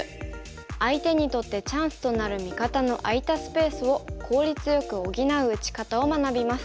相手にとってチャンスとなる味方の空いたスペースを効率よく補う打ち方を学びます。